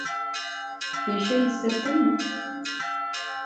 Bir şey hissettin mi?